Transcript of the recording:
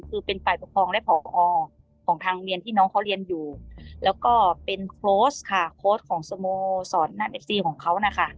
คือเป็นฝ่ายปกครองและผอของทางเรียนที่น้องเขาเรียนอยู่แล้วก็เป็นโค้ชค่ะโค้ชของสโมสรนั่นเอฟซีของเขานะคะ